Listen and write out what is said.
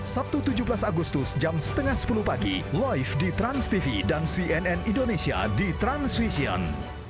sabtu tujuh belas agustus jam setengah sepuluh pagi live di transtv dan cnn indonesia di transvision